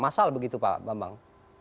masal begitu pak bambang